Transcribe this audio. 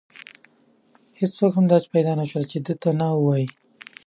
هیڅوک داسې پیدا نه شول چې دې ته نه ووایي.